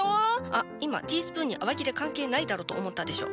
あっ今ティースプーンに洗剤いらねえだろと思ったでしょ。